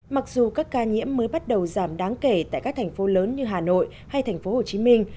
mặc dù các ca nhiễm mới bắt đầu giảm đáng kể tại các thành phố lớn như hà nội hay thành phố hồ chí minh